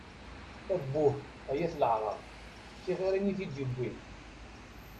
Abbuh, ay at leεṛaḍ! Tiɣirin i t-id-bbwin!